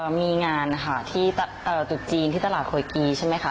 เอ่อมีงานค่ะที่เอ่อตรุษจีนที่ตลาดโคยกีใช่ไหมค่ะ